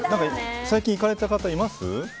最近行かれた方います？